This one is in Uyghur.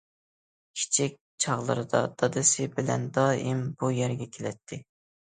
كىچىك چاغلىرىدا دادىسى بىلەن دائىم بۇ يەرگە كېلەتتى.